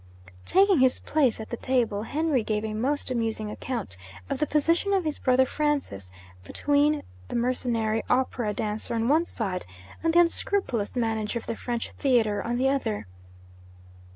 Taking his place at the table, Henry gave a most amusing account of the position of his brother Francis between the mercenary opera dancer on one side, and the unscrupulous manager of the French theatre on the other.